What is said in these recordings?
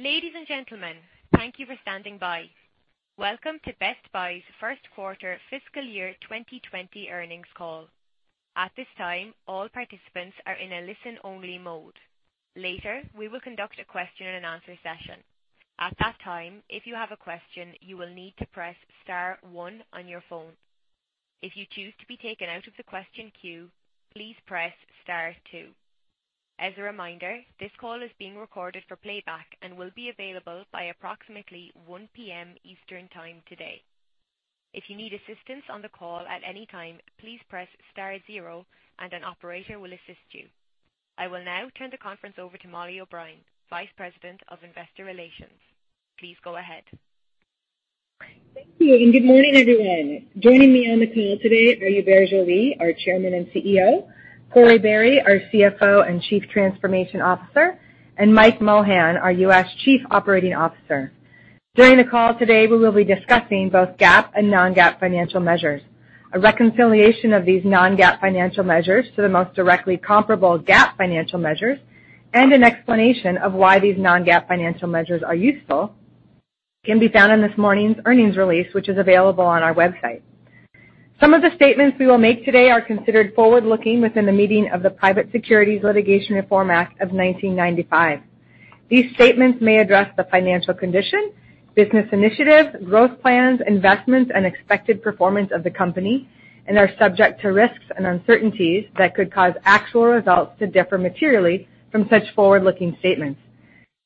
Ladies and gentlemen, thank you for standing by. Welcome to Best Buy's first quarter fiscal year 2020 earnings call. At this time, all participants are in a listen-only mode. Later, we will conduct a question and answer session. At that time, if you have a question, you will need to press star one on your phone. If you choose to be taken out of the question queue, please press star two. As a reminder, this call is being recorded for playback and will be available by approximately 1:00 P.M. Eastern Time today. If you need assistance on the call at any time, please press star zero and an operator will assist you. I will now turn the conference over to Mollie O'Brien, Vice President of Investor Relations. Please go ahead. Thank you. Good morning, everyone. Joining me on the call today are Hubert Joly, our Chairman and CEO, Corie Barry, our CFO and Chief Transformation Officer, and Mike Mohan, our U.S. Chief Operating Officer. During the call today, we will be discussing both GAAP and non-GAAP financial measures. A reconciliation of these non-GAAP financial measures to the most directly comparable GAAP financial measures, and an explanation of why these non-GAAP financial measures are useful can be found in this morning's earnings release, which is available on our website. Some of the statements we will make today are considered forward-looking within the meaning of the Private Securities Litigation Reform Act of 1995. These statements may address the financial condition, business initiatives, growth plans, investments, and expected performance of the company and are subject to risks and uncertainties that could cause actual results to differ materially from such forward-looking statements.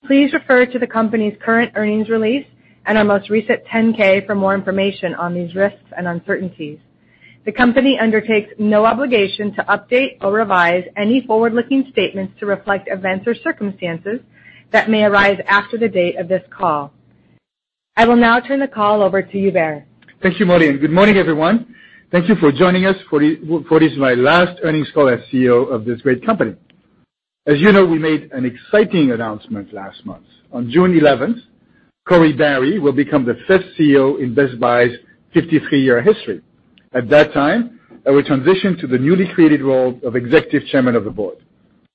Please refer to the company's current earnings release and our most recent 10-K for more information on these risks and uncertainties. The company undertakes no obligation to update or revise any forward-looking statements to reflect events or circumstances that may arise after the date of this call. I will now turn the call over to Hubert. Thank you, Mollie. Good morning, everyone. Thank you for joining us for what is my last earnings call as CEO of this great company. As you know, we made an exciting announcement last month. On June 11th, Corie Barry will become the fifth CEO in Best Buy's 53-year history. At that time, I will transition to the newly created role of Executive Chairman of the Board.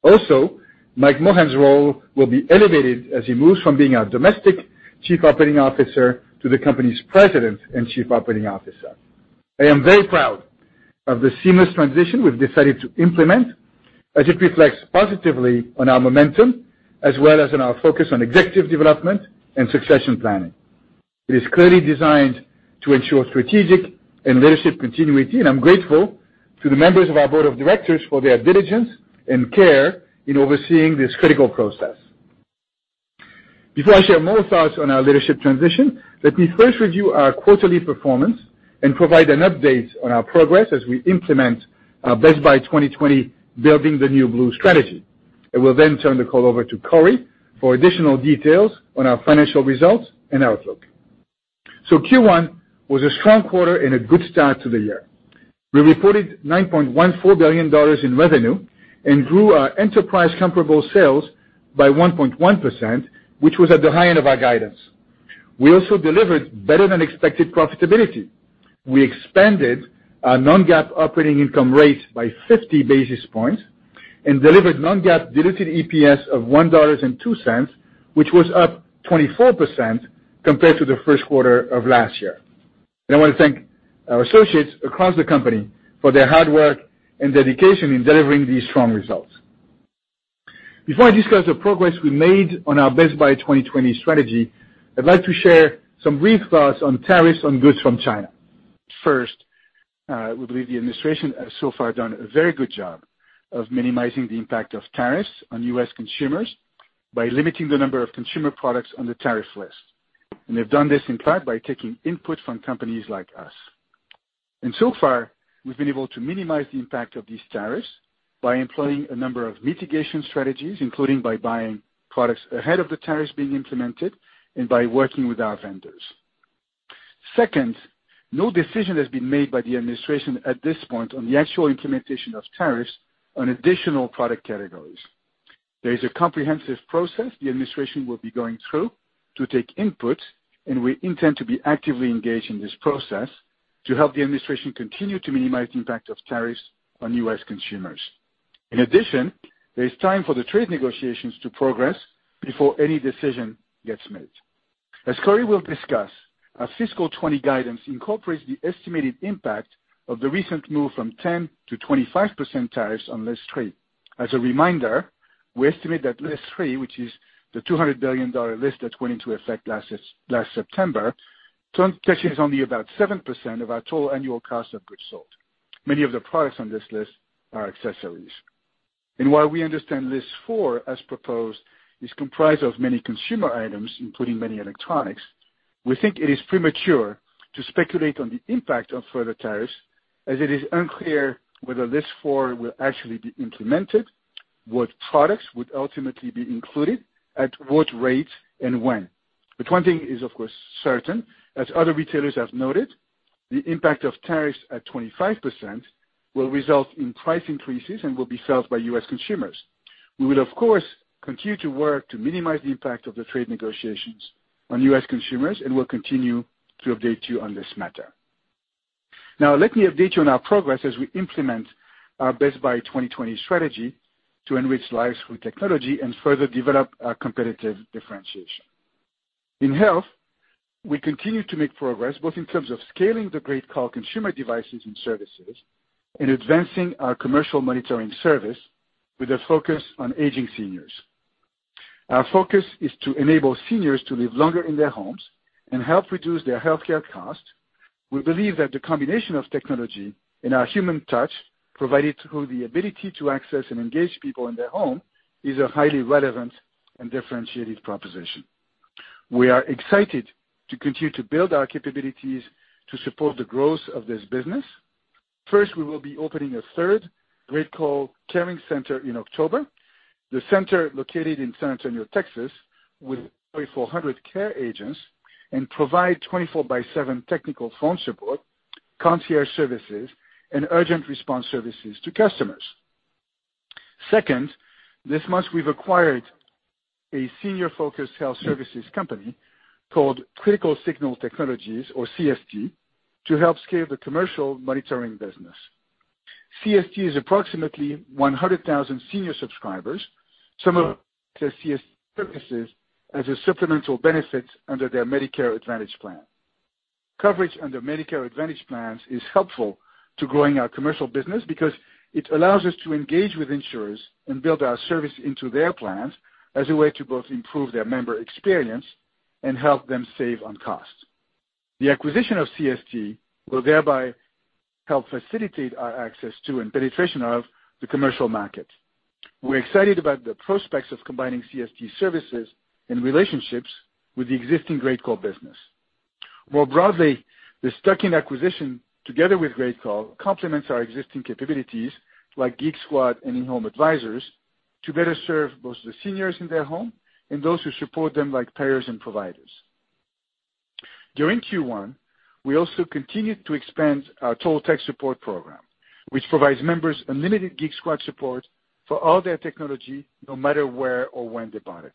Also, Mike Mohan's role will be elevated as he moves from being our Domestic Chief Operating Officer to the company's President and Chief Operating Officer. I am very proud of the seamless transition we've decided to implement, as it reflects positively on our momentum as well as on our focus on executive development and succession planning. It is clearly designed to ensure strategic and leadership continuity, and I'm grateful to the members of our board of directors for their diligence and care in overseeing this critical process. Before I share more thoughts on our leadership transition, let me first review our quarterly performance and provide an update on our progress as we implement our Best Buy 2020: Building the New Blue strategy. I will then turn the call over to Corie for additional details on our financial results and outlook. Q1 was a strong quarter and a good start to the year. We reported $9.14 billion in revenue and grew our enterprise comparable sales by 1.1%, which was at the high end of our guidance. We also delivered better-than-expected profitability. We expanded our non-GAAP operating income rate by 50 basis points and delivered non-GAAP diluted EPS of $1.02, which was up 24% compared to the first quarter of last year. I want to thank our associates across the company for their hard work and dedication in delivering these strong results. Before I discuss the progress we made on our Best Buy 2020 strategy, I'd like to share some brief thoughts on tariffs on goods from China. First, we believe the administration has so far done a very good job of minimizing the impact of tariffs on U.S. consumers by limiting the number of consumer products on the tariff list. They've done this, in fact, by taking input from companies like us. So far, we've been able to minimize the impact of these tariffs by employing a number of mitigation strategies, including by buying products ahead of the tariffs being implemented and by working with our vendors. Second, no decision has been made by the administration at this point on the actual implementation of tariffs on additional product categories. There is a comprehensive process the administration will be going through to take input, and we intend to be actively engaged in this process to help the administration continue to minimize the impact of tariffs on U.S. consumers. In addition, there is time for the trade negotiations to progress before any decision gets made. As Corie will discuss, our fiscal 2020 guidance incorporates the estimated impact of the recent move from 10% to 25% tariffs on List Three. As a reminder, we estimate that List Three, which is the $200 billion list that went into effect last September, touches only about 7% of our total annual cost of goods sold. Many of the products on this list are accessories. While we understand List Four, as proposed, is comprised of many consumer items, including many electronics, we think it is premature to speculate on the impact of further tariffs, as it is unclear whether List Four will actually be implemented, what products would ultimately be included, at what rate, and when. One thing is of course certain, as other retailers have noted, the impact of tariffs at 25% will result in price increases and will be felt by U.S. consumers. We will of course continue to work to minimize the impact of the trade negotiations on U.S. consumers and will continue to update you on this matter. Now let me update you on our progress as we implement our Best Buy 2020 strategy to enrich lives through technology and further develop our competitive differentiation. In health, we continue to make progress both in terms of scaling the GreatCall consumer devices and services and advancing our commercial monitoring service with a focus on aging seniors. Our focus is to enable seniors to live longer in their homes and help reduce their healthcare costs. We believe that the combination of technology and our human touch, provided through the ability to access and engage people in their home, is a highly relevant and differentiated proposition. We are excited to continue to build our capabilities to support the growth of this business. First, we will be opening a third GreatCall Caring Center in October. The center located in San Antonio, Texas, with over 400 care agents and provide 24 by 7 technical phone support, concierge services, and urgent response services to customers. Second, this month, we've acquired a senior-focused health services company called Critical Signal Technologies, or CST, to help scale the commercial monitoring business. CST has approximately 100,000 senior subscribers, some of them access CST services as a supplemental benefit under their Medicare Advantage plan. Coverage under Medicare Advantage plans is helpful to growing our commercial business because it allows us to engage with insurers and build our service into their plans as a way to both improve their member experience and help them save on cost. The acquisition of CST will thereby help facilitate our access to and penetration of the commercial market. We're excited about the prospects of combining CST services and relationships with the existing GreatCall business. More broadly, this stacking acquisition together with GreatCall complements our existing capabilities, like Geek Squad and In-Home Advisors, to better serve both the seniors in their home and those who support them, like payers and providers. During Q1, we also continued to expand our Total Tech Support program, which provides members unlimited Geek Squad support for all their technology, no matter where or when they bought it.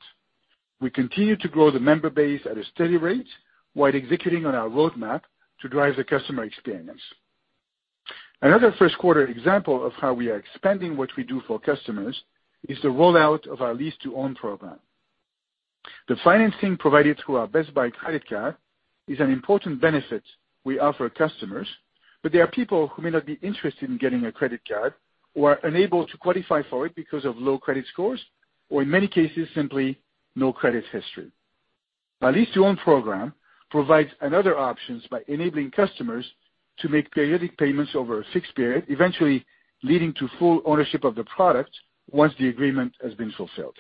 We continue to grow the member base at a steady rate while executing on our roadmap to drive the customer experience. Another first quarter example of how we are expanding what we do for customers is the rollout of our lease-to-own program. The financing provided through our Best Buy Credit Card is an important benefit we offer customers, but there are people who may not be interested in getting a credit card or are unable to qualify for it because of low credit scores or in many cases, simply no credit history. Our lease-to-own program provides another option by enabling customers to make periodic payments over a fixed period, eventually leading to full ownership of the product once the agreement has been fulfilled.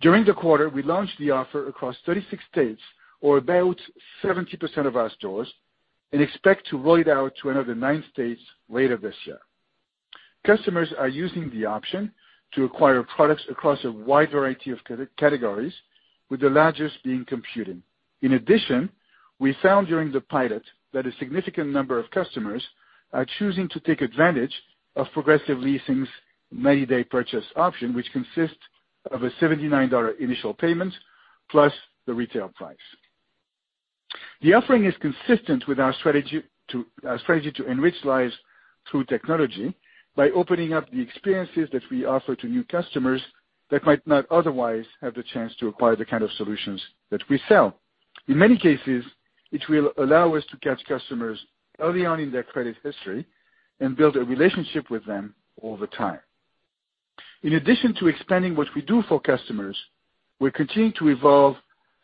During the quarter, we launched the offer across 36 states, or about 70% of our stores, and expect to roll it out to another nine states later this year. Customers are using the option to acquire products across a wide variety of categories, with the largest being computing. In addition, we found during the pilot that a significant number of customers are choosing to take advantage of Progressive Leasing's 90-day purchase option, which consists of a $79 initial payment plus the retail price. The offering is consistent with our strategy to enrich lives through technology by opening up the experiences that we offer to new customers that might not otherwise have the chance to acquire the kind of solutions that we sell. In many cases, it will allow us to catch customers early on in their credit history and build a relationship with them over time. In addition to expanding what we do for customers, we're continuing to evolve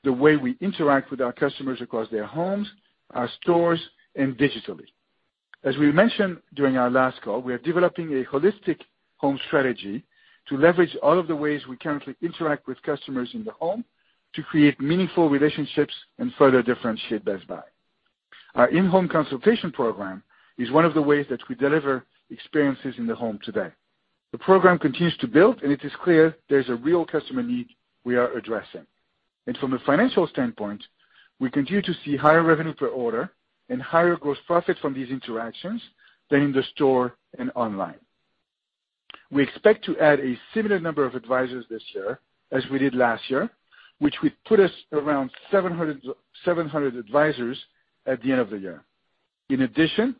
the way we interact with our customers across their homes, our stores, and digitally. As we mentioned during our last call, we are developing a holistic home strategy to leverage all of the ways we currently interact with customers in the home to create meaningful relationships and further differentiate Best Buy. Our in-home consultation program is one of the ways that we deliver experiences in the home today. The program continues to build, and it is clear there's a real customer need we are addressing. From a financial standpoint, we continue to see higher revenue per order and higher gross profit from these interactions than in the store and online. We expect to add a similar number of advisors this year as we did last year, which would put us around 700 advisors at the end of the year. In addition,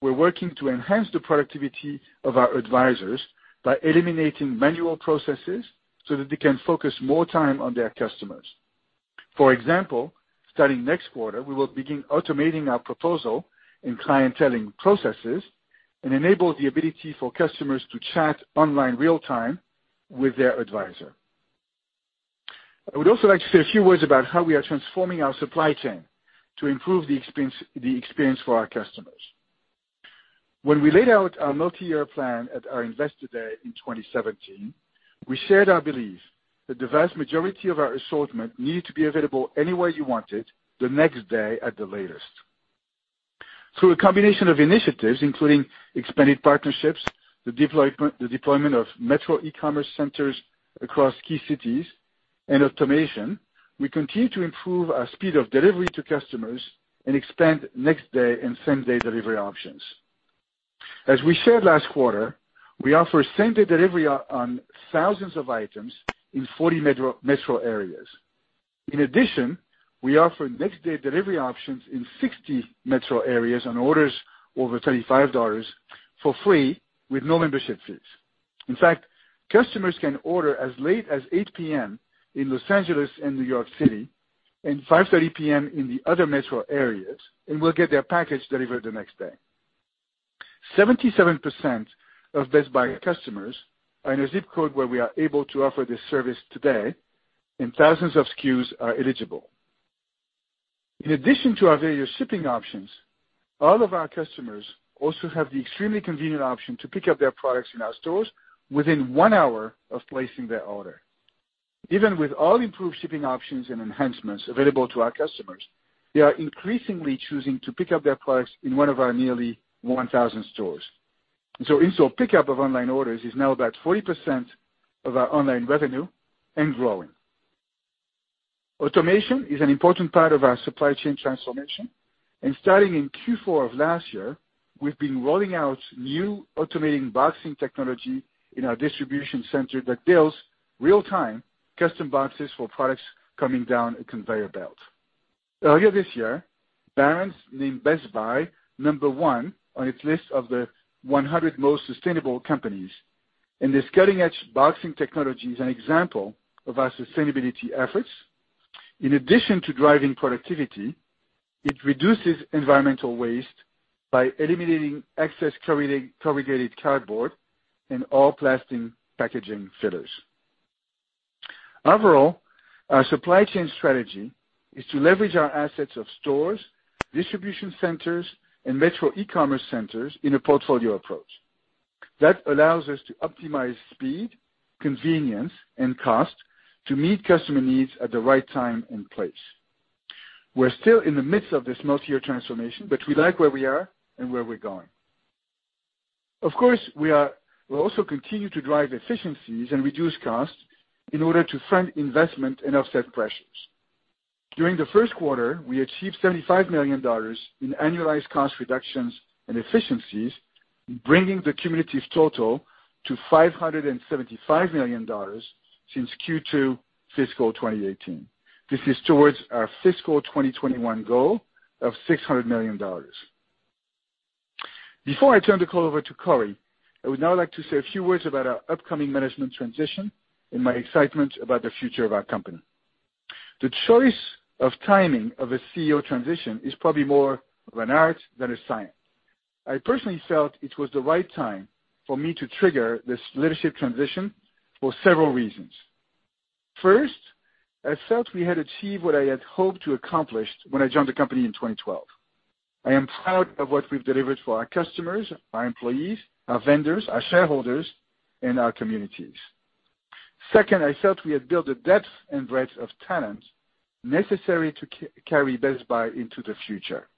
we're working to enhance the productivity of our advisors by eliminating manual processes so that they can focus more time on their customers. For example, starting next quarter, we will begin automating our proposal and clienteling processes and enable the ability for customers to chat online real-time with their advisor. I would also like to say a few words about how we are transforming our supply chain to improve the experience for our customers. When we laid out our multi-year plan at our investor day in 2017, we shared our belief that the vast majority of our assortment needed to be available anywhere you wanted the next day at the latest. Through a combination of initiatives, including expanded partnerships, the deployment of metro e-commerce centers across key cities, and automation, we continue to improve our speed of delivery to customers and expand next-day and same-day delivery options. As we said last quarter, we offer same-day delivery on thousands of items in 40 metro areas. In addition, we offer next-day delivery options in 60 metro areas on orders over $35 for free with no membership fees. In fact, customers can order as late as 8:00 P.M. in Los Angeles and New York City and 5:30 P.M. in the other metro areas and will get their package delivered the next day. 77% of Best Buy customers are in a ZIP code where we are able to offer this service today and thousands of SKUs are eligible. In addition to our various shipping options, all of our customers also have the extremely convenient option to pick up their products in our stores within one hour of placing their order. Even with all improved shipping options and enhancements available to our customers, they are increasingly choosing to pick up their products in one of our nearly 1,000 stores. In-store pickup of online orders is now about 40% of our online revenue and growing. Automation is an important part of our supply chain transformation and starting in Q4 of last year, we've been rolling out new automated boxing technology in our distribution center that builds real-time custom boxes for products coming down a conveyor belt. Earlier this year, Barron's named Best Buy number one on its list of the 100 most sustainable companies and this cutting-edge boxing technology is an example of our sustainability efforts. In addition to driving productivity, it reduces environmental waste by eliminating excess corrugated cardboard and all plastic packaging fillers. Overall, our supply chain strategy is to leverage our assets of stores, distribution centers and metro e-commerce centers in a portfolio approach. That allows us to optimize speed, convenience and cost to meet customer needs at the right time and place. We're still in the midst of this multi-year transformation, but we like where we are and where we're going. Of course, we'll also continue to drive efficiencies and reduce costs in order to fund investment and offset pressures. During the first quarter, we achieved $75 million in annualized cost reductions and efficiencies, bringing the cumulative total to $575 million since Q2 fiscal 2018. This is towards our fiscal 2021 goal of $600 million. Before I turn the call over to Corie, I would now like to say a few words about our upcoming management transition and my excitement about the future of our company. The choice of timing of a CEO transition is probably more of an art than a science. I personally felt it was the right time for me to trigger this leadership transition for several reasons. First, I felt we had achieved what I had hoped to accomplish when I joined the company in 2012. I am proud of what we've delivered for our customers, our employees, our vendors, our shareholders and our communities. Second, I felt we had built a depth and breadth of talent necessary to carry Best Buy into the future.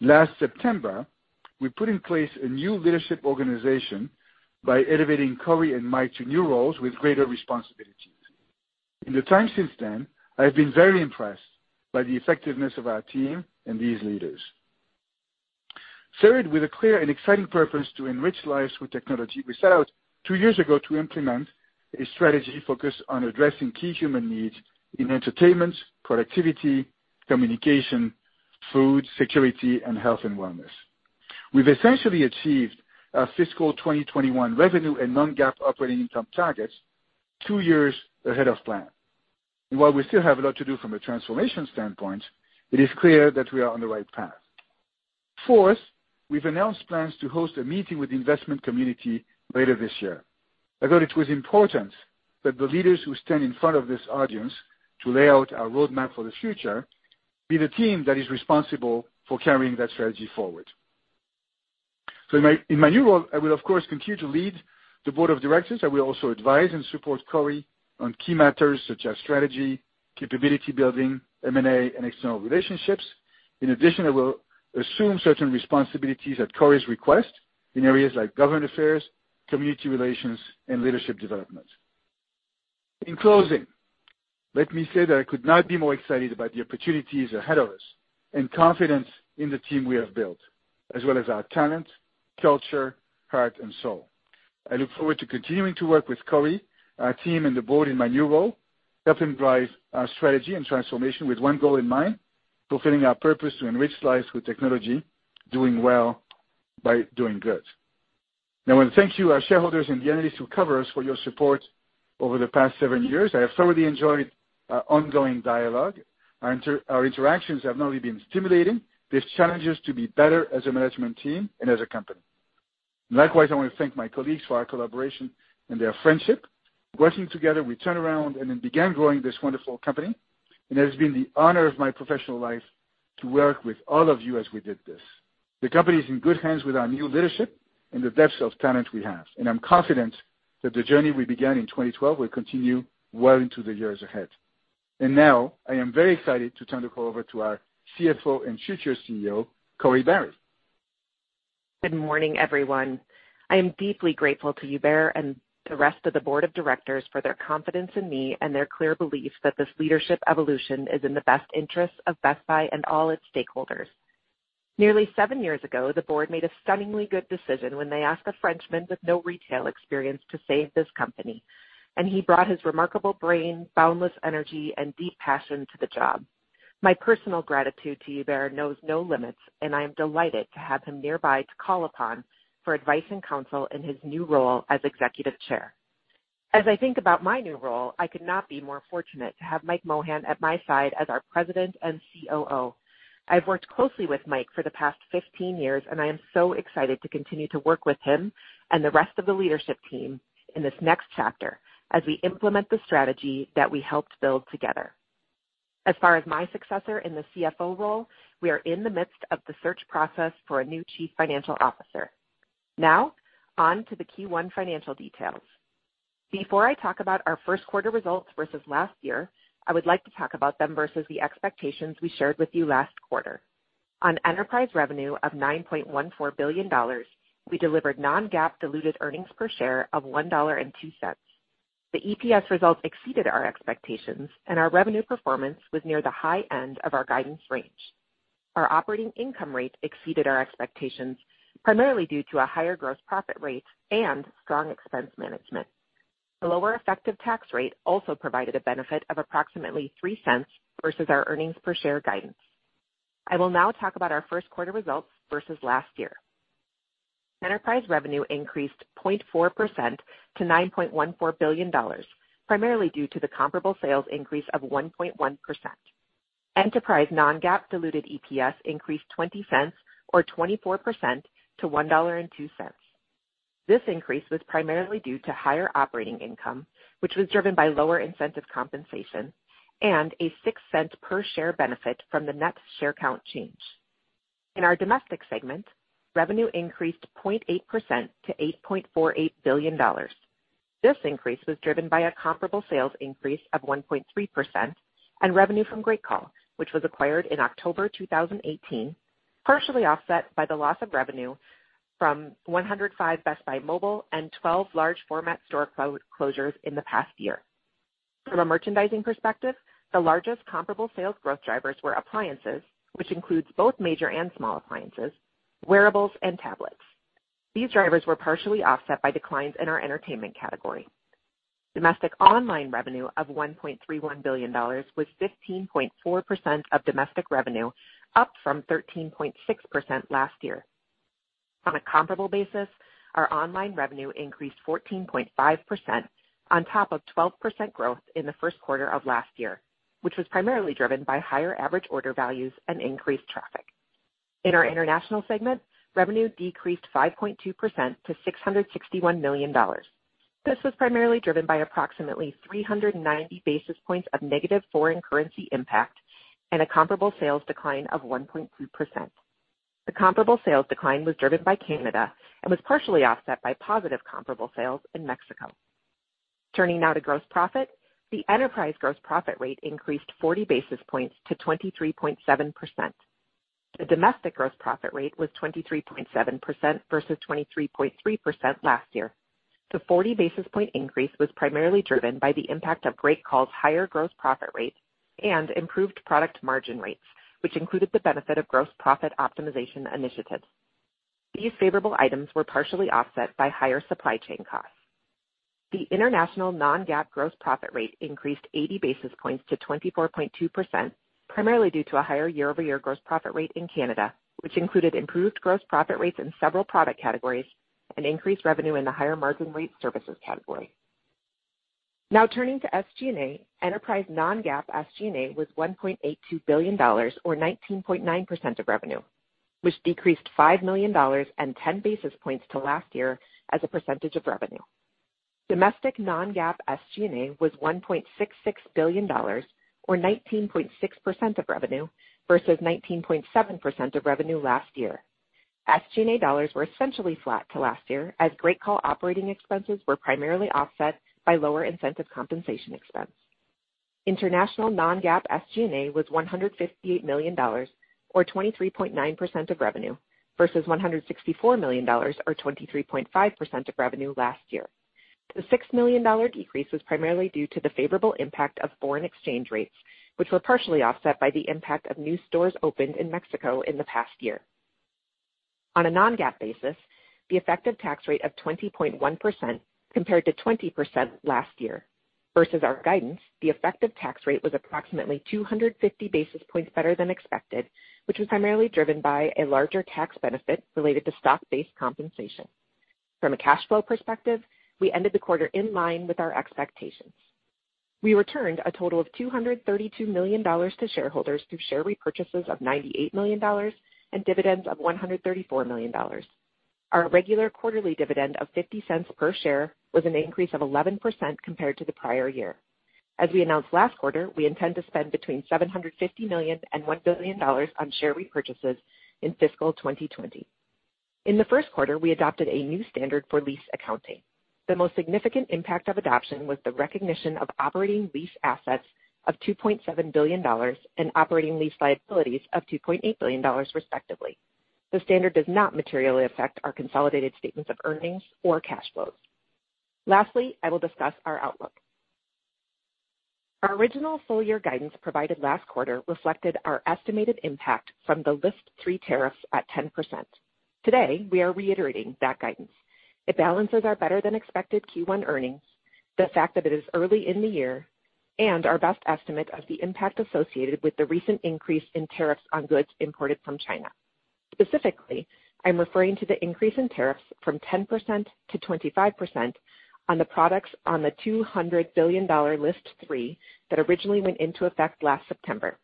Last September, we put in place a new leadership organization by elevating Corie and Mike to new roles with greater responsibilities. In the time since then, I have been very impressed by the effectiveness of our team and these leaders. Third, with a clear and exciting purpose to enrich lives with technology, we set out two years ago to implement a strategy focused on addressing key human needs in entertainment, productivity, communication, food security and health and wellness. We've essentially achieved our fiscal 2021 revenue and non-GAAP operating income targets two years ahead of plan. While we still have a lot to do from a transformation standpoint, it is clear that we are on the right path. Fourth, we've announced plans to host a meeting with the investment community later this year. I thought it was important that the leaders who stand in front of this audience to lay out our roadmap for the future be the team that is responsible for carrying that strategy forward. In my new role, I will of course continue to lead the board of directors. I will also advise and support Corie on key matters such as strategy, capability building, M&A and external relationships. In addition, I will assume certain responsibilities at Corie's request in areas like government affairs, community relations and leadership development. In closing, let me say that I could not be more excited about the opportunities ahead of us and confidence in the team we have built, as well as our talent, culture, heart and soul. I look forward to continuing to work with Corie, our team and the board in my new role, helping drive our strategy and transformation with one goal in mind, fulfilling our purpose to enrich lives with technology, doing well by doing good. I want to thank you, our shareholders and the analysts who cover us for your support over the past seven years. I have thoroughly enjoyed our ongoing dialogue. Our interactions have not only been stimulating, they challenge us to be better as a management team and as a company. Likewise, I want to thank my colleagues for our collaboration and their friendship. Working together, we turned around and then began growing this wonderful company and it has been the honor of my professional life to work with all of you as we did this. The company is in good hands with our new leadership and the depth of talent we have, and I'm confident that the journey we began in 2012 will continue well into the years ahead. I am very excited to turn the call over to our CFO and future CEO, Corie Barry. Good morning, everyone. I am deeply grateful to Hubert and the rest of the board of directors for their confidence in me and their clear belief that this leadership evolution is in the best interest of Best Buy and all its stakeholders. Nearly seven years ago, the board made a stunningly good decision when they asked a Frenchman with no retail experience to save this company, and he brought his remarkable brain, boundless energy, and deep passion to the job. My personal gratitude to Hubert knows no limits, and I am delighted to have him nearby to call upon for advice and counsel in his new role as executive chair. As I think about my new role, I could not be more fortunate to have Mike Mohan at my side as our president and COO. I've worked closely with Mike for the past 15 years, and I am so excited to continue to work with him and the rest of the leadership team in this next chapter as we implement the strategy that we helped build together. As far as my successor in the CFO role, we are in the midst of the search process for a new chief financial officer. On to the key one financial details. Before I talk about our first quarter results versus last year, I would like to talk about them versus the expectations we shared with you last quarter. On enterprise revenue of $9.14 billion, we delivered non-GAAP diluted earnings per share of $1.02. The EPS results exceeded our expectations, and our revenue performance was near the high end of our guidance range. Our operating income rate exceeded our expectations, primarily due to a higher gross profit rate and strong expense management. The lower effective tax rate also provided a benefit of approximately $0.03 versus our earnings per share guidance. I will now talk about our first quarter results versus last year. Enterprise revenue increased 0.4% to $9.14 billion, primarily due to the comparable sales increase of 1.1%. Enterprise non-GAAP diluted EPS increased $0.20 or 24% to $1.02. This increase was primarily due to higher operating income, which was driven by lower incentive compensation and a $0.06 per share benefit from the net share count change. In our domestic segment, revenue increased 0.8% to $8.48 billion. This increase was driven by a comparable sales increase of 1.3% and revenue from GreatCall, which was acquired in October 2018, partially offset by the loss of revenue from 105 Best Buy Mobile and 12 large format store closures in the past year. From a merchandising perspective, the largest comparable sales growth drivers were appliances, which includes both major and small appliances, wearables, and tablets. These drivers were partially offset by declines in our entertainment category. Domestic online revenue of $1.31 billion was 15.4% of domestic revenue, up from 13.6% last year. On a comparable basis, our online revenue increased 14.5% on top of 12% growth in the first quarter of last year, which was primarily driven by higher average order values and increased traffic. In our international segment, revenue decreased 5.2% to $661 million. This was primarily driven by approximately 390 basis points of negative foreign currency impact and a comparable sales decline of 1.2%. The comparable sales decline was driven by Canada and was partially offset by positive comparable sales in Mexico. Turning now to gross profit. The enterprise gross profit rate increased 40 basis points to 23.7%. The domestic gross profit rate was 23.7% versus 23.3% last year. The 40 basis point increase was primarily driven by the impact of GreatCall's higher gross profit rate and improved product margin rates, which included the benefit of gross profit optimization initiatives. These favorable items were partially offset by higher supply chain costs. The international non-GAAP gross profit rate increased 80 basis points to 24.2%, primarily due to a higher year-over-year gross profit rate in Canada, which included improved gross profit rates in several product categories and increased revenue in the higher margin rate services category. Now turning to SG&A. Enterprise non-GAAP SG&A was $1.82 billion, or 19.9% of revenue, which decreased $5 million and 10 basis points to last year as a percentage of revenue. Domestic non-GAAP SG&A was $1.66 billion, or 19.6% of revenue, versus 19.7% of revenue last year. SG&A dollars were essentially flat to last year as GreatCall operating expenses were primarily offset by lower incentive compensation expense. International non-GAAP SG&A was $158 million, or 23.9% of revenue, versus $164 million, or 23.5% of revenue last year. The $6 million decrease was primarily due to the favorable impact of foreign exchange rates, which were partially offset by the impact of new stores opened in Mexico in the past year. On a non-GAAP basis, the effective tax rate of 20.1% compared to 20% last year. Versus our guidance, the effective tax rate was approximately 250 basis points better than expected, which was primarily driven by a larger tax benefit related to stock-based compensation. From a cash flow perspective, we ended the quarter in line with our expectations. We returned a total of $232 million to shareholders through share repurchases of $98 million and dividends of $134 million. Our regular quarterly dividend of $0.50 per share was an increase of 11% compared to the prior year. As we announced last quarter, we intend to spend between $750 million and $1 billion on share repurchases in fiscal 2020. In the first quarter, we adopted a new standard for lease accounting. The most significant impact of adoption was the recognition of operating lease assets of $2.7 billion and operating lease liabilities of $2.8 billion, respectively. The standard does not materially affect our consolidated statements of earnings or cash flows. Lastly, I will discuss our outlook. Our original full-year guidance provided last quarter reflected our estimated impact from the list three tariffs at 10%. Today, we are reiterating that guidance. It balances our better than expected Q1 earnings, the fact that it is early in the year, and our best estimate of the impact associated with the recent increase in tariffs on goods imported from China. Specifically, I'm referring to the increase in tariffs from 10% to 25% on the products on the $200 billion list three that originally went into effect last September.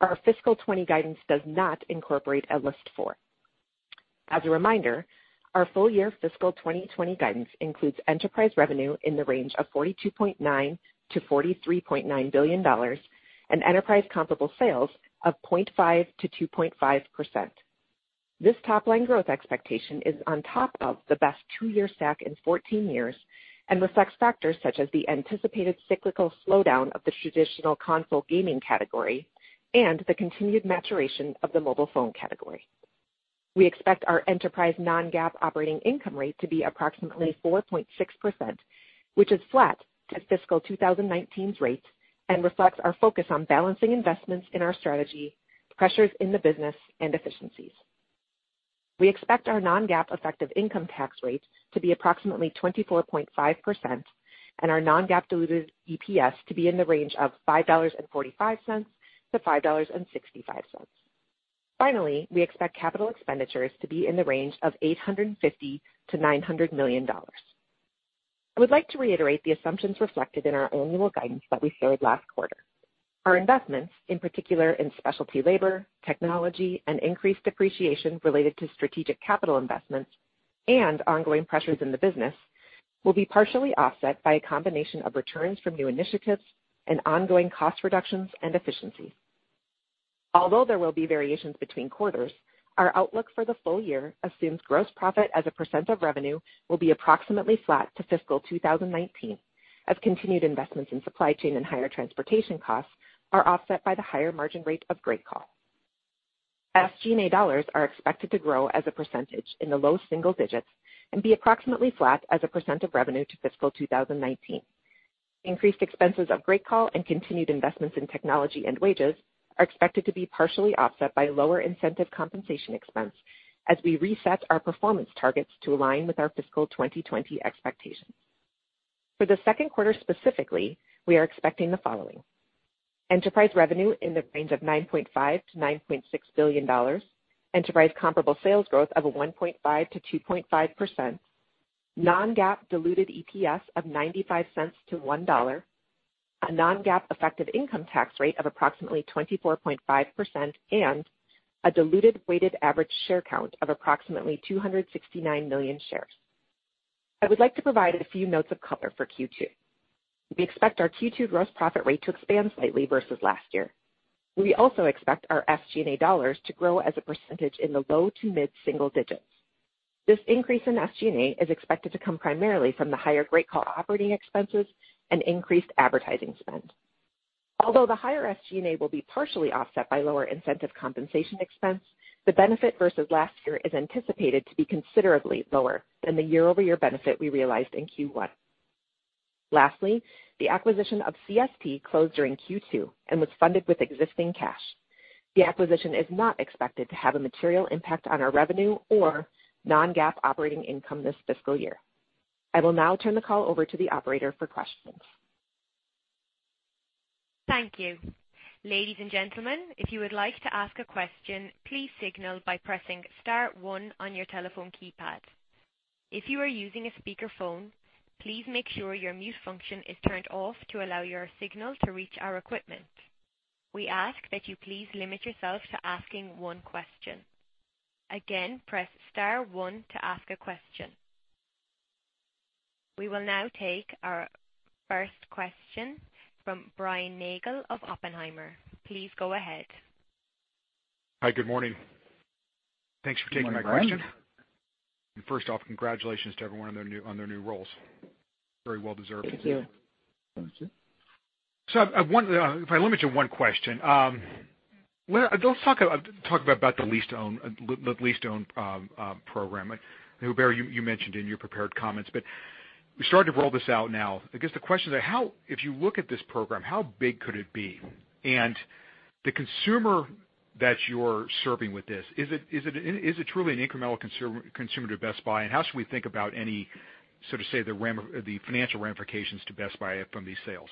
Our fiscal 2020 guidance does not incorporate a list four. As a reminder, our full year fiscal 2020 guidance includes enterprise revenue in the range of $42.9 billion to $43.9 billion and enterprise comparable sales of 0.5% to 2.5%. This top-line growth expectation is on top of the best two-year stack in 14 years and reflects factors such as the anticipated cyclical slowdown of the traditional console gaming category and the continued maturation of the mobile phone category. We expect our enterprise non-GAAP operating income rate to be approximately 4.6%, which is flat to fiscal 2019's rate and reflects our focus on balancing investments in our strategy, pressures in the business, and efficiencies. We expect our non-GAAP effective income tax rate to be approximately 24.5% and our non-GAAP diluted EPS to be in the range of $5.45 to $5.65. Finally, we expect capital expenditures to be in the range of $850 million to $900 million. I would like to reiterate the assumptions reflected in our annual guidance that we shared last quarter. Our investments, in particular in specialty labor, technology, and increased depreciation related to strategic capital investments and ongoing pressures in the business, will be partially offset by a combination of returns from new initiatives and ongoing cost reductions and efficiencies. Although there will be variations between quarters, our outlook for the full year assumes gross profit as a percent of revenue will be approximately flat to fiscal 2019, as continued investments in supply chain and higher transportation costs are offset by the higher margin rate of GreatCall. SG&A dollars are expected to grow as a percentage in the low single digits and be approximately flat as a percent of revenue to fiscal 2019. Increased expenses of GreatCall and continued investments in technology and wages are expected to be partially offset by lower incentive compensation expense as we reset our performance targets to align with our fiscal 2020 expectations. For the second quarter specifically, we are expecting the following. Enterprise revenue in the range of $9.5 billion-$9.6 billion, enterprise comparable sales growth of 1.5%-2.5%, non-GAAP diluted EPS of $0.95-$1.00, a non-GAAP effective income tax rate of approximately 24.5%, and a diluted weighted average share count of approximately 269 million shares. I would like to provide a few notes of color for Q2. We expect our Q2 gross profit rate to expand slightly versus last year. We also expect our SG&A dollars to grow as a percentage in the low to mid-single digits. This increase in SG&A is expected to come primarily from the higher GreatCall operating expenses and increased advertising spend. Although the higher SG&A will be partially offset by lower incentive compensation expense, the benefit versus last year is anticipated to be considerably lower than the year-over-year benefit we realized in Q1. Lastly, the acquisition of CST closed during Q2 and was funded with existing cash. The acquisition is not expected to have a material impact on our revenue or non-GAAP operating income this fiscal year. I will now turn the call over to the operator for questions. Thank you. Ladies and gentlemen, if you would like to ask a question, please signal by pressing star one on your telephone keypad. If you are using a speakerphone, please make sure your mute function is turned off to allow your signal to reach our equipment. We ask that you please limit yourself to asking one question. Again, press star one to ask a question. We will now take our first question from Brian Nagel of Oppenheimer. Please go ahead. Hi, good morning. Thanks for taking my question. Good morning, Brian. First off, congratulations to everyone on their new roles. Very well deserved. Thank you. Thank you. If I limit to one question, let's talk about the lease-to-own program. Hubert, you mentioned in your prepared comments, but you're starting to roll this out now. I guess the question is, if you look at this program, how big could it be? And the consumer that you're serving with this, is it truly an incremental consumer to Best Buy? And how should we think about any, so to say, the financial ramifications to Best Buy from these sales?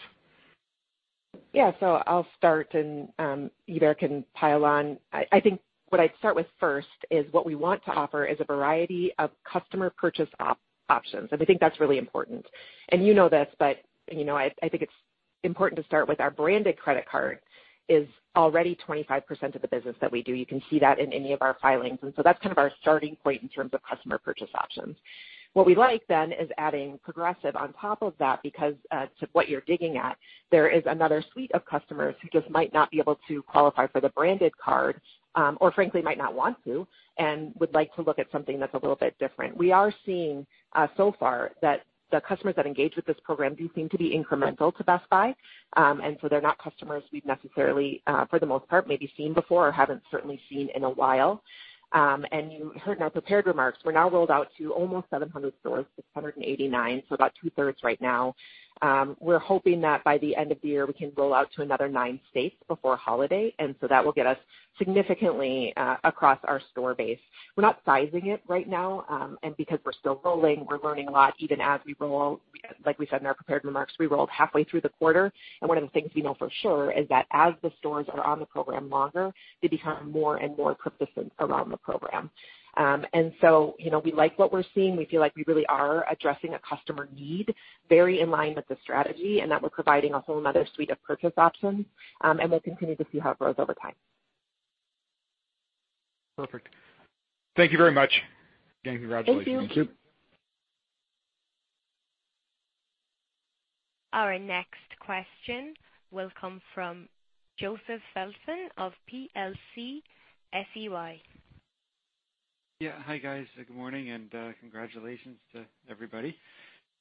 I'll start and Hubert can pile on. I think what I'd start with first is what we want to offer is a variety of customer purchase options, and I think that's really important. You know this, but I think it's important to start with our branded credit card is already 25% of the business that we do. You can see that in any of our filings. That's kind of our starting point in terms of customer purchase options. What we like then is adding Progressive on top of that, because to what you're digging at, there is another suite of customers who just might not be able to qualify for the branded card or frankly, might not want to and would like to look at something that's a little bit different. We are seeing so far that the customers that engage with this program do seem to be incremental to Best Buy. They're not customers we've necessarily, for the most part, maybe seen before or haven't certainly seen in a while. You heard in our prepared remarks, we're now rolled out to almost 700 stores, 689, so about two-thirds right now. We're hoping that by the end of the year, we can roll out to another nine states before holiday, that will get us significantly across our store base. We're not sizing it right now, because we're still rolling, we're learning a lot even as we roll. Like we said in our prepared remarks, we rolled halfway through the quarter, and one of the things we know for sure is that as the stores are on the program longer, they become more and more proficient around the program. We like what we're seeing. We feel like we really are addressing a customer need very in line with the strategy and that we're providing a whole another suite of purchase options. We'll continue to see how it grows over time. Perfect. Thank you very much. Again, congratulations. Thank you. Thank you. Our next question will come from Joseph Feldman of Telsey Advisory Group. Yeah. Hi, guys. Good morning, and congratulations to everybody.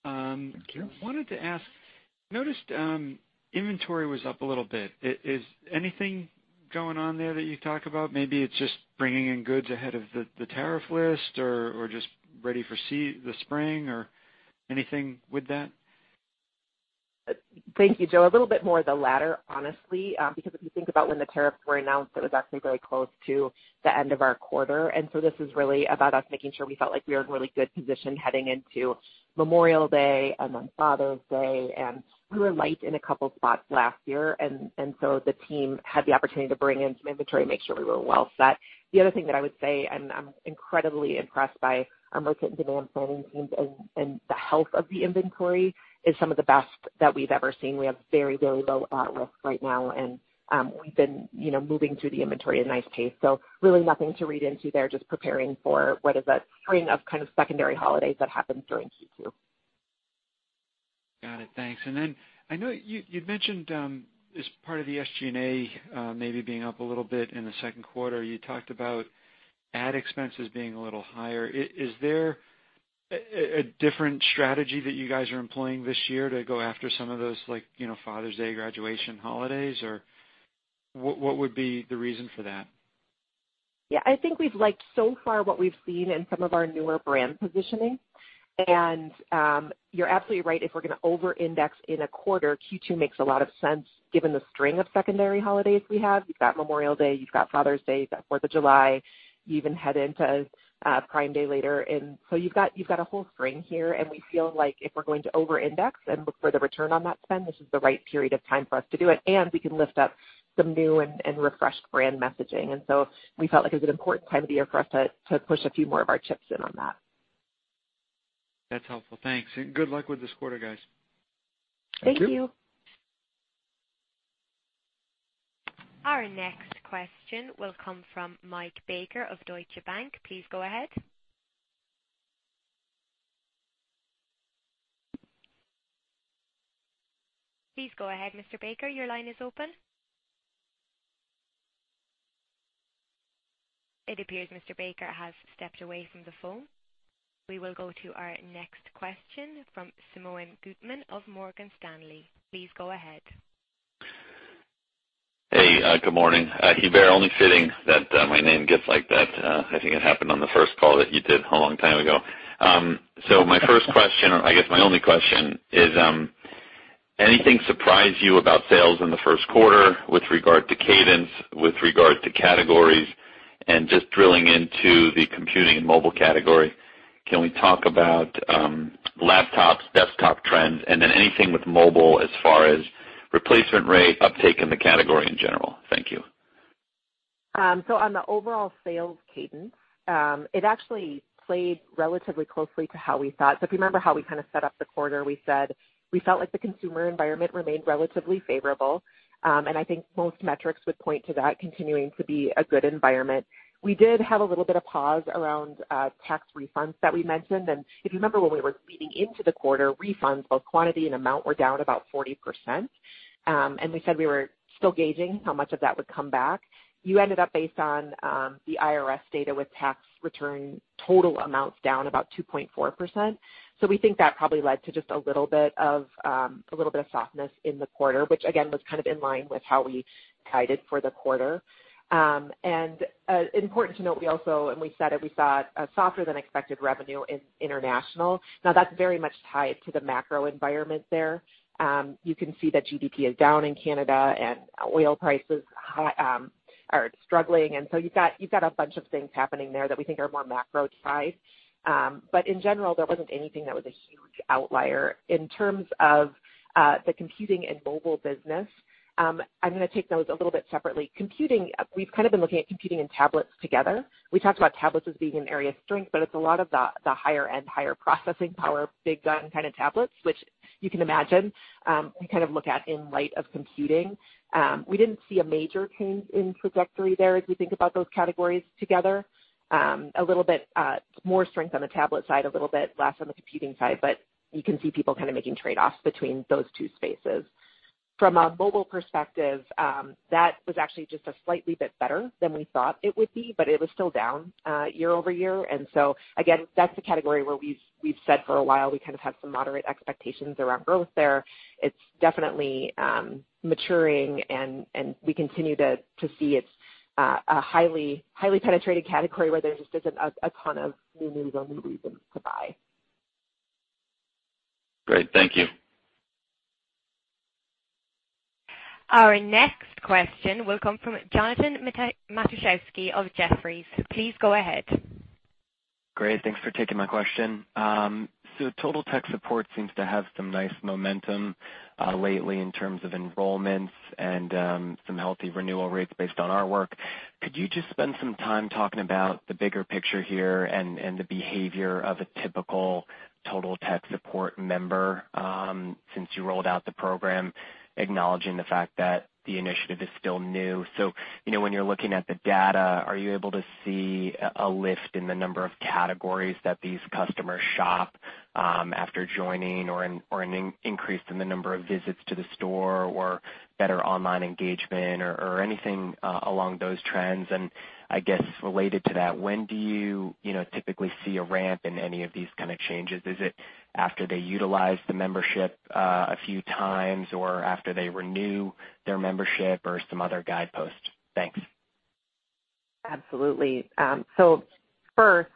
Thank you. wanted to ask, noticed inventory was up a little bit. Is anything going on there that you can talk about? Maybe it's just bringing in goods ahead of the tariff list or just ready for the spring, or anything with that? Thank you, Joe. A little bit more of the latter, honestly. If you think about when the tariffs were announced, it was actually very close to the end of our quarter. So this is really about us making sure we felt like we were in really good position heading into Memorial Day and then Father's Day. We were light in a couple spots last year, so the team had the opportunity to bring in some inventory, make sure we were well set. The other thing that I would say, and I'm incredibly impressed by our merchant demand planning teams and the health of the inventory, is some of the best that we've ever seen. We have very low risk right now, and we've been moving through the inventory at a nice pace. Really nothing to read into there, just preparing for what is a string of kind of secondary holidays that happens during Q2. Got it. Thanks. I know you'd mentioned, as part of the SG&A maybe being up a little bit in the second quarter, you talked about ad expenses being a little higher. Is there a different strategy that you guys are employing this year to go after some of those Father's Day, graduation, holidays? What would be the reason for that? Yeah, I think we've liked so far what we've seen in some of our newer brand positioning. You're absolutely right. If we're going to over-index in a quarter, Q2 makes a lot of sense given the string of secondary holidays we have. You've got Memorial Day, you've got Father's Day, you've got Fourth of July. You even head into Prime Day later. You've got a whole string here, and we feel like if we're going to over-index and look for the return on that spend, this is the right period of time for us to do it. We can lift up some new and refreshed brand messaging. We felt like it was an important time of the year for us to push a few more of our chips in on that. That's helpful. Thanks, and good luck with this quarter, guys. Thank you. Our next question will come from Michael Baker of Deutsche Bank. Please go ahead. Please go ahead, Mr. Baker. Your line is open. It appears Mr. Baker has stepped away from the phone. We will go to our next question from Simeon Gutman of Morgan Stanley. Please go ahead. Hey, good morning. Hubert, only fitting that my name gets like that. I think it happened on the first call that you did a long time ago. My first question, or I guess my only question, is anything surprise you about sales in the first quarter with regard to cadence, with regard to categories? Just drilling into the computing and mobile category, can we talk about laptops, desktop trends, and then anything with mobile as far as replacement rate, uptake in the category in general? Thank you. On the overall sales cadence, it actually played relatively closely to how we thought. If you remember how we set up the quarter, we said we felt like the consumer environment remained relatively favorable. I think most metrics would point to that continuing to be a good environment. We did have a little bit of pause around tax refunds that we mentioned, and if you remember, when we were leading into the quarter, refunds, both quantity and amount, were down about 40%. We said we were still gauging how much of that would come back. You ended up based on the IRS data with tax return total amounts down about 2.4%. We think that probably led to just a little bit of softness in the quarter, which again, was kind of in line with how we guided for the quarter. Important to note, we also saw a softer than expected revenue in international. That's very much tied to the macro environment there. You can see that GDP is down in Canada and oil prices are struggling, you've got a bunch of things happening there that we think are more macro tied. In general, there wasn't anything that was a huge outlier. In terms of the computing and mobile business, I'm going to take those a little bit separately. Computing, we've kind of been looking at computing and tablets together. We talked about tablets as being an area of strength, but it's a lot of the higher-end, higher processing power, big gun kind of tablets, which you can imagine, we kind of look at in light of computing. We didn't see a major change in trajectory there as we think about those categories together. A little bit more strength on the tablet side, a little bit less on the computing side, you can see people kind of making trade-offs between those two spaces. From a mobile perspective, that was actually just a slightly bit better than we thought it would be, but it was still down year-over-year. Again, that's the category where we've said for a while, we kind of have some moderate expectations around growth there. It's definitely maturing, and we continue to see it's a highly penetrated category where there just isn't a ton of new news or new reasons to buy. Great. Thank you. Our next question will come from Jonathan Matuszewski of Jefferies. Please go ahead. Great. Thanks for taking my question. Total Tech Support seems to have some nice momentum lately in terms of enrollments and some healthy renewal rates based on our work. Could you just spend some time talking about the bigger picture here and the behavior of a typical Total Tech Support member since you rolled out the program, acknowledging the fact that the initiative is still new. When you're looking at the data, are you able to see a lift in the number of categories that these customers shop after joining or an increase in the number of visits to the store or better online engagement or anything along those trends? I guess related to that, when do you typically see a ramp in any of these kind of changes? Is it after they utilize the membership a few times or after they renew their membership or some other guidepost? Thanks. Absolutely. First,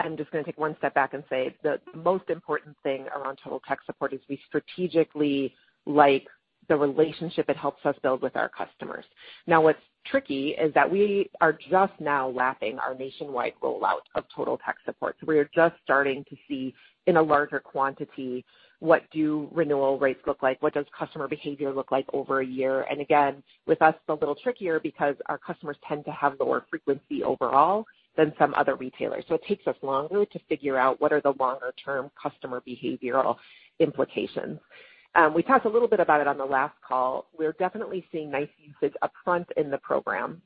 I'm just going to take one step back and say the most important thing around Total Tech Support is we strategically like the relationship it helps us build with our customers. What's tricky is that we are just now wrapping our nationwide rollout of Total Tech Support. We are just starting to see in a larger quantity, what do renewal rates look like? What does customer behavior look like over a year? Again, with us, it's a little trickier because our customers tend to have lower frequency overall than some other retailers. It takes us longer to figure out what are the longer-term customer behavioral implications. We talked a little bit about it on the last call. We're definitely seeing nice usage upfront in the program.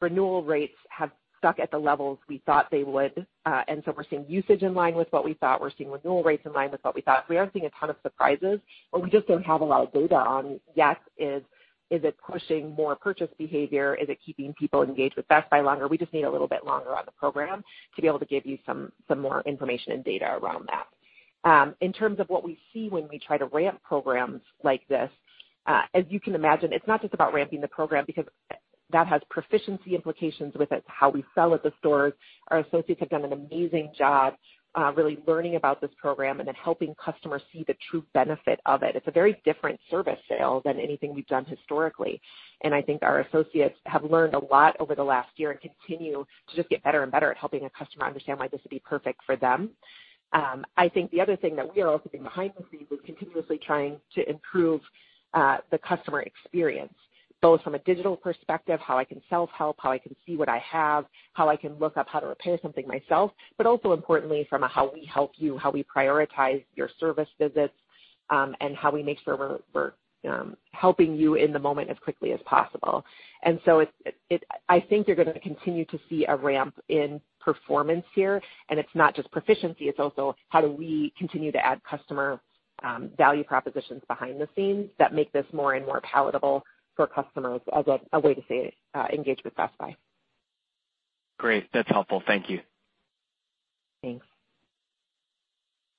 Renewal rates have stuck at the levels we thought they would. We're seeing usage in line with what we thought. We're seeing renewal rates in line with what we thought. We aren't seeing a ton of surprises, but we just don't have a lot of data on, yes, is it pushing more purchase behavior? Is it keeping people engaged with Best Buy longer? We just need a little bit longer on the program to be able to give you some more information and data around that. In terms of what we see when we try to ramp programs like this, as you can imagine, it's not just about ramping the program because that has proficiency implications with it, how we sell at the stores. Our associates have done an amazing job really learning about this program and then helping customers see the true benefit of it. It's a very different service sale than anything we've done historically. I think our associates have learned a lot over the last year and continue to just get better and better at helping a customer understand why this would be perfect for them. I think the other thing that we are also doing behind the scenes is continuously trying to improve the customer experience, both from a digital perspective, how I can self-help, how I can see what I have, how I can look up how to repair something myself, but also importantly from a how we help you, how we prioritize your service visits, and how we make sure we're helping you in the moment as quickly as possible. I think you're going to continue to see a ramp in performance here, and it's not just proficiency, it's also how do we continue to add customer value propositions behind the scenes that make this more and more palatable for customers as a way to stay engaged with Best Buy. Great. That's helpful. Thank you. Thanks.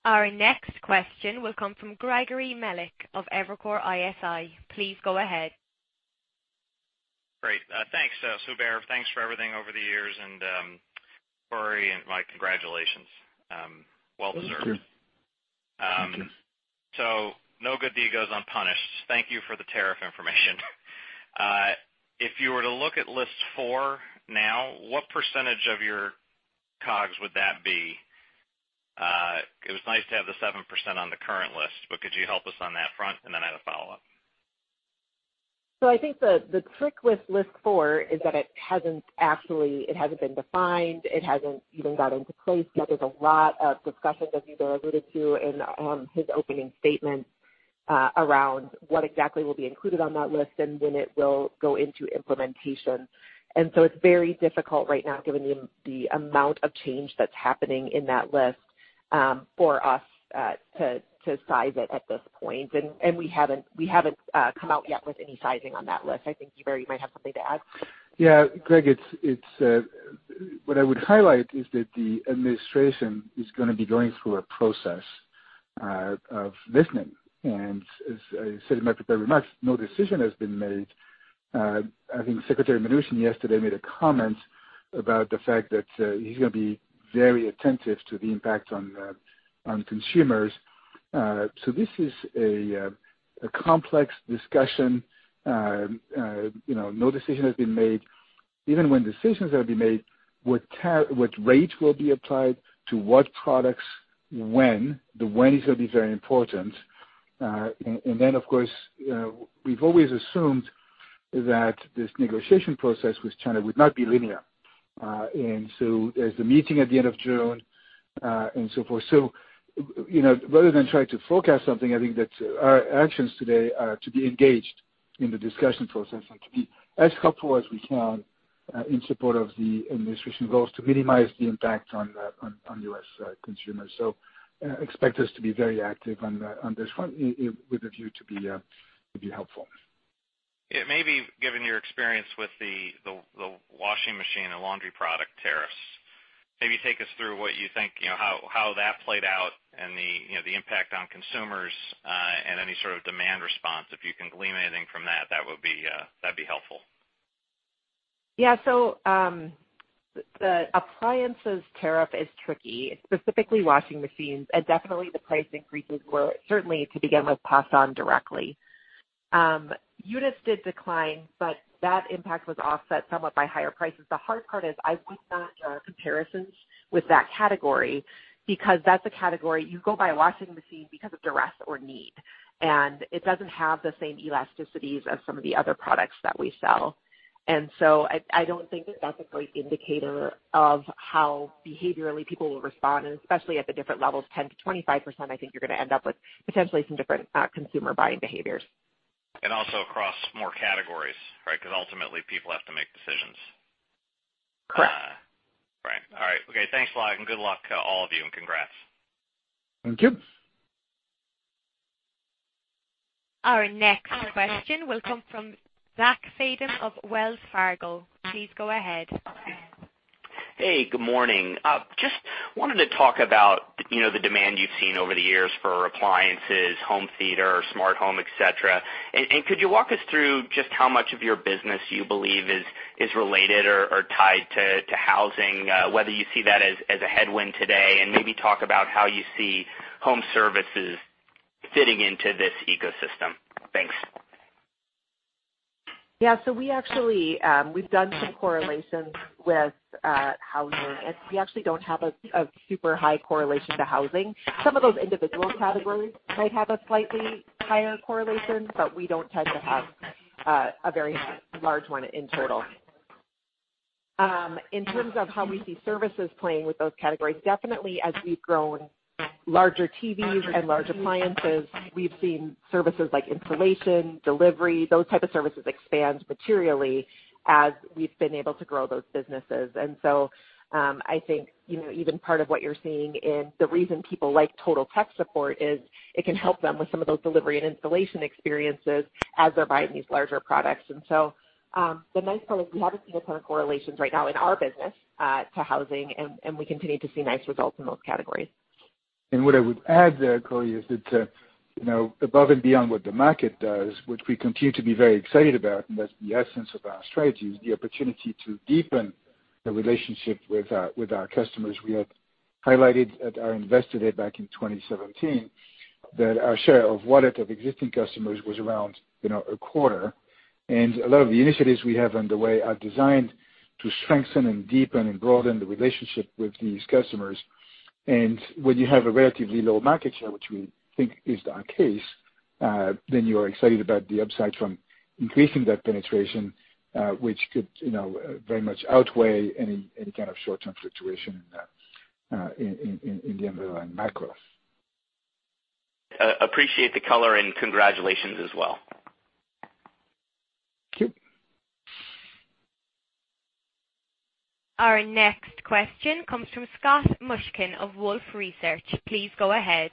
Our next question will come from Gregory Melich of Evercore ISI. Please go ahead. Great. Thanks, Hubert. Thanks for everything over the years. Corie, my congratulations. Well deserved. Thank you. No good deed goes unpunished. Thank you for the tariff information. If you were to look at list four now, what percentage of your COGS would that be? It was nice to have the 7% on the current list, could you help us on that front? Then I have a follow-up. I think the trick with list four is that it hasn't been defined. It hasn't even got into place yet. There's a lot of discussion, as Hubert alluded to in his opening statement, around what exactly will be included on that list and when it will go into implementation. It's very difficult right now, given the amount of change that's happening in that list, for us to size it at this point. We haven't come out yet with any sizing on that list. I think, Hubert, you might have something to add. Yeah. Greg, what I would highlight is that the administration is going to be going through a process of listening. As I said in my prepared remarks, no decision has been made. I think Secretary Mnuchin yesterday made a comment about the fact that he's going to be very attentive to the impact on consumers. This is a complex discussion. No decision has been made. Even when decisions have been made, which rates will be applied to what products when. The when is going to be very important. Then, of course, we've always assumed that this negotiation process with China would not be linear. There's the meeting at the end of June, and so forth. Rather than try to forecast something, I think that our actions today are to be engaged in the discussion process and to be as helpful as we can in support of the administration goals to minimize the impact on U.S. consumers. Expect us to be very active on this front with a view to be helpful. Maybe given your experience with the washing machine and laundry product tariffs, maybe take us through what you think, how that played out and the impact on consumers, and any sort of demand response. If you can glean anything from that'd be helpful. Yeah. The appliances tariff is tricky, specifically washing machines, and definitely the price increases were certainly to begin with passed on directly. Units did decline, but that impact was offset somewhat by higher prices. The hard part is I would not comparisons with that category because that's a category you go buy a washing machine because of duress or need, and it doesn't have the same elasticities as some of the other products that we sell. I don't think that that's a great indicator of how behaviorally people will respond, and especially at the different levels, 10%-25%, I think you're going to end up with potentially some different consumer buying behaviors. Also across more categories, right? Because ultimately people have to make decisions. Correct. Right. All right. Okay, thanks a lot and good luck to all of you and congrats. Thank you. Our next question will come from Zachary Fadem of Wells Fargo. Please go ahead. Hey, good morning. Just wanted to talk about the demand you've seen over the years for appliances, home theater, smart home, et cetera. Could you walk us through just how much of your business you believe is related or tied to housing, whether you see that as a headwind today? Maybe talk about how you see home services fitting into this ecosystem. Thanks. Yeah. We've done some correlations with housing, we actually don't have a super high correlation to housing. Some of those individual categories might have a slightly higher correlation, we don't tend to have a very large one in total. In terms of how we see services playing with those categories, definitely as we've grown larger TVs and large appliances, we've seen services like installation, delivery, those type of services expand materially as we've been able to grow those businesses. I think, even part of what you're seeing in the reason people like Total Tech Support is it can help them with some of those delivery and installation experiences as they're buying these larger products. The nice part is we haven't seen a ton of correlations right now in our business, to housing, we continue to see nice results in those categories. What I would add there, Corie, is that above and beyond what the market does, which we continue to be very excited about, that's the essence of our strategy, is the opportunity to deepen the relationship with our customers. We had highlighted at our Investor Day back in 2017 that our share of wallet of existing customers was around a quarter. A lot of the initiatives we have on the way are designed to strengthen and deepen and broaden the relationship with these customers. When you have a relatively low market share, which we think is our case, you are excited about the upside from increasing that penetration, which could very much outweigh any kind of short-term fluctuation in the underlying macros. Appreciate the color and congratulations as well. Thank you. Our next question comes from Scott Mushkin of Wolfe Research. Please go ahead.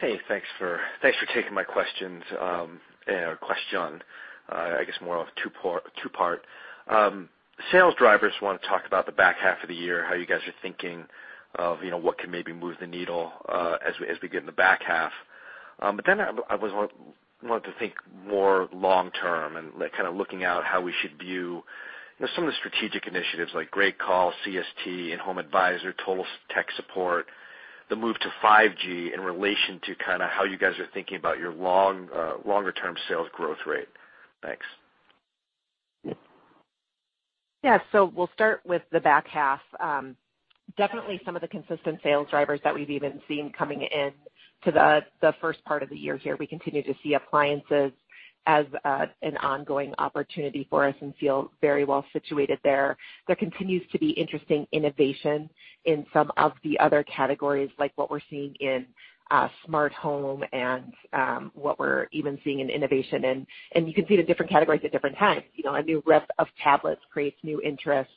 Hey, thanks for taking my questions, or question. I guess more of a two-part. Sales drivers. I want to talk about the back half of the year, how you guys are thinking of what can maybe move the needle as we get in the back half. I wanted to think more long-term and kind of looking out how we should view some of the strategic initiatives like GreatCall, CST, In-Home Advisor, Total Tech Support, the move to 5G in relation to how you guys are thinking about your longer-term sales growth rate. Thanks. Yeah. We'll start with the back half. Definitely some of the consistent sales drivers that we've even seen coming in to the first part of the year here, we continue to see appliances as an ongoing opportunity for us and feel very well situated there. There continues to be interesting innovation in some of the other categories, like what we're seeing in smart home and what we're even seeing in innovation in. You can see the different categories at different times. A new rev of tablets creates new interest.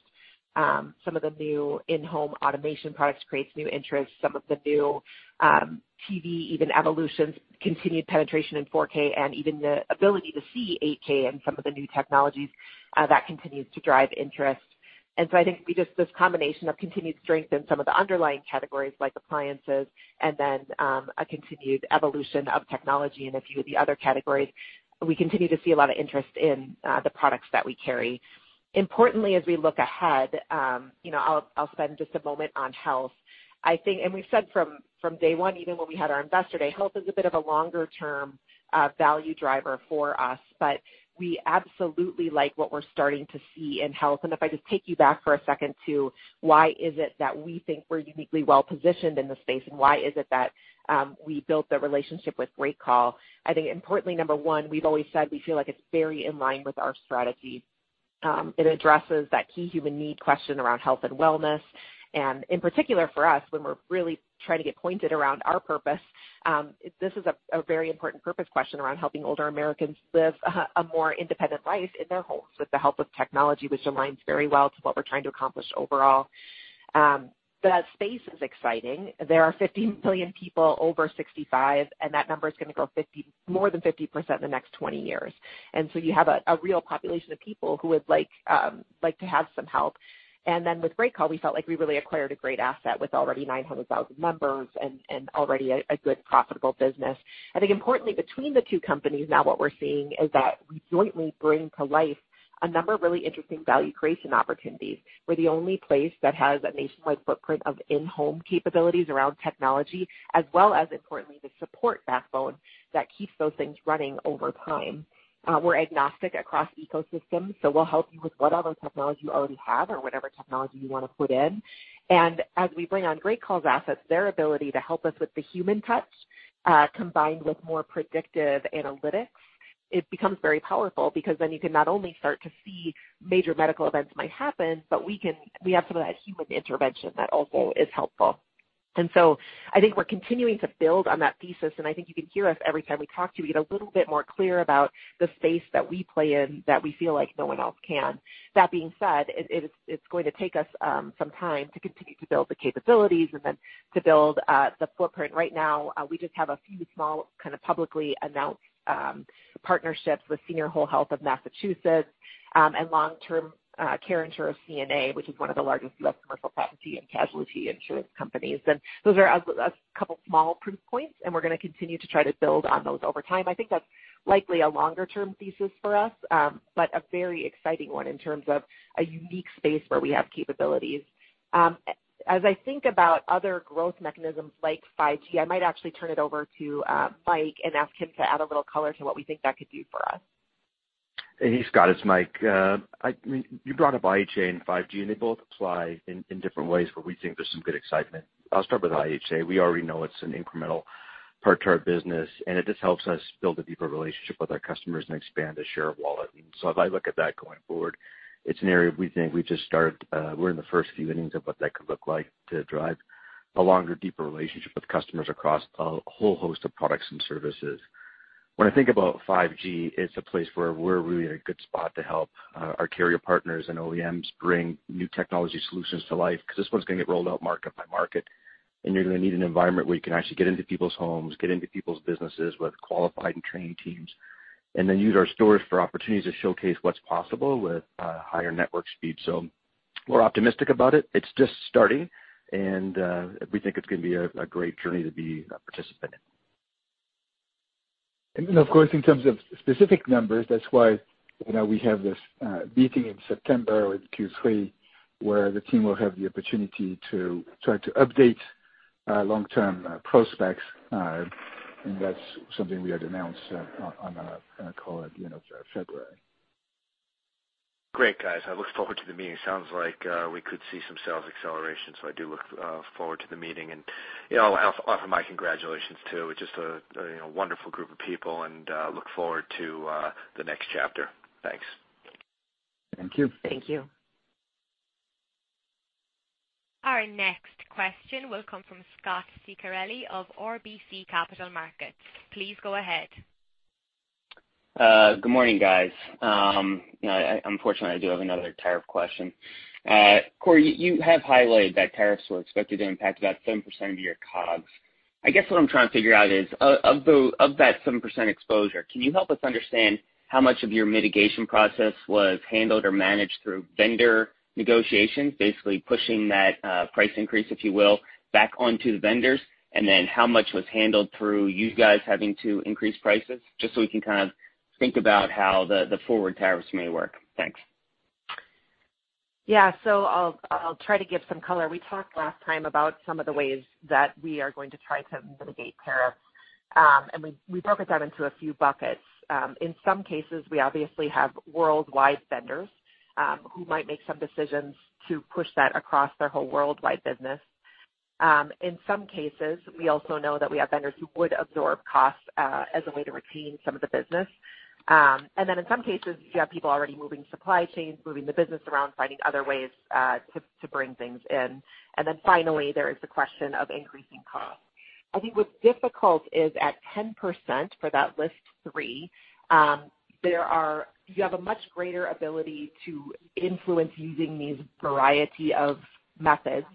Some of the new in-home automation products creates new interest. Some of the new TV, even evolutions, continued penetration in 4K and even the ability to see 8K and some of the new technologies, that continues to drive interest. I think just this combination of continued strength in some of the underlying categories like appliances and then a continued evolution of technology in a few of the other categories. We continue to see a lot of interest in the products that we carry. Importantly, as we look ahead, I'll spend just a moment on health. We've said from day one, even when we had our Investor Day, health is a bit of a longer-term value driver for us, but we absolutely like what we're starting to see in health. If I just take you back for a second to why is it that we think we're uniquely well positioned in the space, and why is it that we built the relationship with GreatCall? Importantly, number one, we've always said we feel like it's very in line with our strategy. It addresses that key human need question around health and wellness. In particular for us, when we're really trying to get pointed around our purpose, this is a very important purpose question around helping older Americans live a more independent life in their homes with the help of technology, which aligns very well to what we're trying to accomplish overall. The space is exciting. There are 50 million people over 65, and that number is going to grow more than 50% in the next 20 years. You have a real population of people who would like to have some help. Then with GreatCall, we felt like we really acquired a great asset with already 900,000 members and already a good profitable business. Importantly between the two companies now what we're seeing is that we jointly bring to life a number of really interesting value creation opportunities. We're the only place that has a nationwide footprint of in-home capabilities around technology as well as, importantly, the support backbone that keeps those things running over time. We're agnostic across ecosystems, so we'll help you with whatever technology you already have or whatever technology you want to put in. As we bring on GreatCall's assets, their ability to help us with the human touch, combined with more predictive analytics, it becomes very powerful because then you can not only start to see major medical events might happen, but we have some of that human intervention that also is helpful. I think we're continuing to build on that thesis, you can hear us every time we talk to you, we get a little bit more clear about the space that we play in that we feel like no one else can. That being said, it's going to take us some time to continue to build the capabilities and then to build the footprint. Right now, we just have a few small kind of publicly announced partnerships with Senior Whole Health of Massachusetts, and long-term care insurer CNA, which is one of the largest U.S. commercial property and casualty insurance companies. Those are a couple small proof points, and we're going to continue to try to build on those over time. That's likely a longer-term thesis for us, but a very exciting one in terms of a unique space where we have capabilities. As I think about other growth mechanisms like 5G, I might actually turn it over to Mike and ask him to add a little color to what we think that could do for us. Hey, Scott, it's Mike. You brought up IHA and 5G, and they both apply in different ways, but we think there's some good excitement. I'll start with IHA. We already know it's an incremental part to our business, and it just helps us build a deeper relationship with our customers and expand the share of wallet. If I look at that going forward, it's an area we think we've just started. We're in the first few innings of what that could look like to drive a longer, deeper relationship with customers across a whole host of products and services. When I think about 5G, it's a place where we're really in a good spot to help our carrier partners and OEMs bring new technology solutions to life, because this one's going to get rolled out market by market, and you're going to need an environment where you can actually get into people's homes, get into people's businesses with qualified and trained teams, and then use our stores for opportunities to showcase what's possible with higher network speeds. We're optimistic about it. It's just starting. We think it's going to be a great journey to be a participant in. Of course, in terms of specific numbers, that's why we have this meeting in September with Q3, where the team will have the opportunity to try to update long-term prospects. That's something we had announced on a call in February. Great, guys. I look forward to the meeting. Sounds like we could see some sales acceleration. I do look forward to the meeting. I'll offer my congratulations, too. It's just a wonderful group of people, and look forward to the next chapter. Thanks. Thank you. Thank you. Our next question will come from Scot Ciccarelli of RBC Capital Markets. Please go ahead. Good morning, guys. Unfortunately, I do have another tariff question. Corie, you have highlighted that tariffs were expected to impact about 7% of your COGS. I guess what I'm trying to figure out is, of that 7% exposure, can you help us understand how much of your mitigation process was handled or managed through vendor negotiations, basically pushing that price increase, if you will, back onto the vendors? How much was handled through you guys having to increase prices, just so we can kind of think about how the forward tariffs may work? Thanks. Yeah. I'll try to give some color. We talked last time about some of the ways that we are going to try to mitigate tariffs. We broke it down into a few buckets. In some cases, we obviously have worldwide vendors who might make some decisions to push that across their whole worldwide business. In some cases, we also know that we have vendors who would absorb costs as a way to retain some of the business. In some cases, you have people already moving supply chains, moving the business around, finding other ways to bring things in. Finally, there is the question of increasing costs. I think what's difficult is at 10% for that list three, you have a much greater ability to influence using these variety of methods.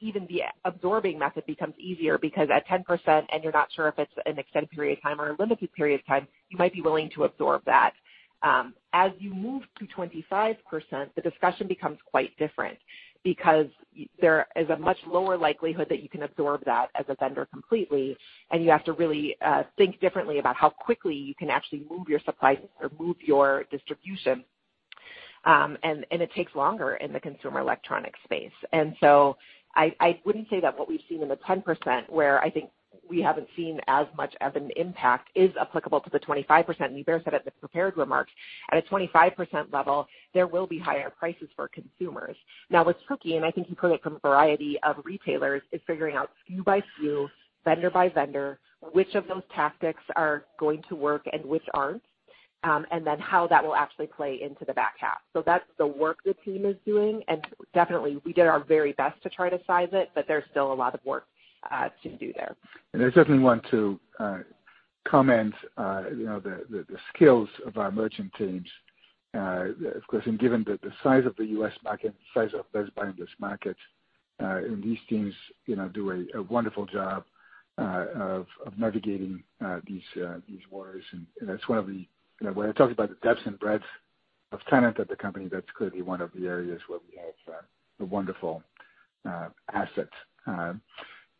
Even the absorbing method becomes easier because at 10%, and you're not sure if it's an extended period of time or a limited period of time, you might be willing to absorb that. As you move to 25%, the discussion becomes quite different because there is a much lower likelihood that you can absorb that as a vendor completely, and you have to really think differently about how quickly you can actually move your supply or move your distribution. It takes longer in the consumer electronic space. I wouldn't say that what we've seen in the 10%, where I think we haven't seen as much of an impact, is applicable to the 25%. Hubert said it in the prepared remarks. At a 25% level, there will be higher prices for consumers. Now, what's tricky, and I think you've heard it from a variety of retailers, is figuring out SKU by SKU, vendor by vendor, which of those tactics are going to work and which aren't, and then how that will actually play into the back half. That's the work the team is doing, and definitely, we did our very best to try to size it, but there's still a lot of work to do there. I certainly want to comment the skills of our merchant teams. Of course, given the size of the U.S. market, the size of Best Buy in this market, and these teams do a wonderful job of navigating these waters. When I talk about the depth and breadth of talent at the company, that's clearly one of the areas where we have a wonderful asset.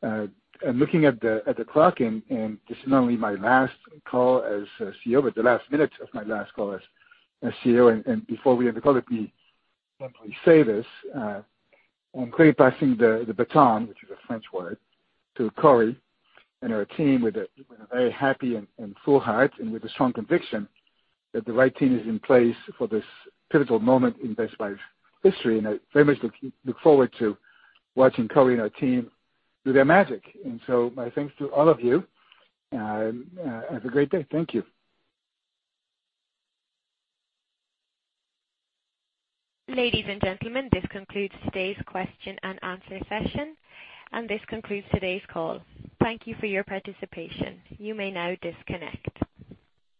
I'm looking at the clock, and this is not only my last call as CEO, but the last minutes of my last call as CEO. Before we end the call, let me simply say this. I'm passing the baton, which is a French word, to Corie and her team with a very happy and full heart and with a strong conviction that the right team is in place for this pivotal moment in Best Buy's history. I very much look forward to watching Corie and her team do their magic. My thanks to all of you. Have a great day. Thank you. Ladies and gentlemen, this concludes today's question and answer session, and this concludes today's call. Thank you for your participation. You may now disconnect.